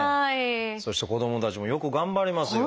そして子どもたちもよく頑張りますよ